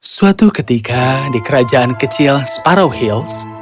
suatu ketika di kerajaan kecil sparow hills